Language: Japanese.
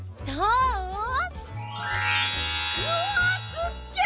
うわすっげ！